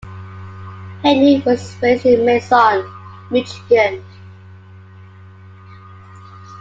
Haynie was raised in Mason, Michigan.